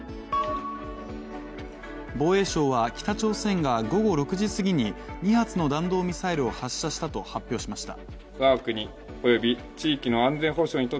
防衛省は北朝鮮が午後６時すぎに２発の弾道ミサイルを発射したと発表しました。